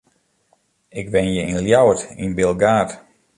Ik wenje yn Ljouwert, yn Bilgaard.